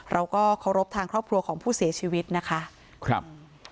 เราก็เคารพทางครอบครัวของผู้เสียชีวิตนะคะครับ